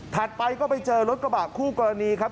ไปก็ไปเจอรถกระบะคู่กรณีครับ